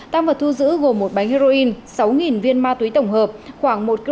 tang vật thu giữ gồm một bánh heroin sáu viên ma túy tổng hợp khoảng một kg thuốc phiện